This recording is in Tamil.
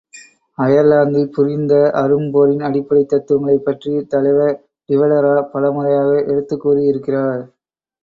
அயர்லாந்து புரிந்த அரும் போரின் அடிப்படைத் தத்துவங்களைப் பற்றிக் தலைவர் டிவெலரா பலமுறையாக எடுத்துக் கூறியிருக்கிறார்.